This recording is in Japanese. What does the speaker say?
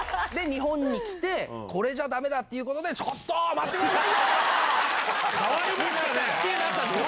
日本に来て、これじゃだめだってことで、ちょっと、待ってくださいよってなったんです。